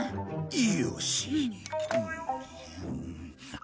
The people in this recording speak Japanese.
よし。